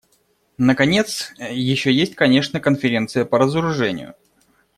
Наконец, еще есть, конечно, Конференция по разоружению.